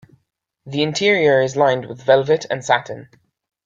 The interior is lined with velvet and satin.